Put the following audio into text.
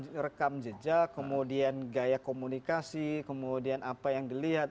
kemudian rekam jejak kemudian gaya komunikasi kemudian apa yang dilihat